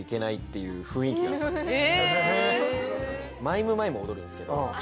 いう雰囲気だったんですよね。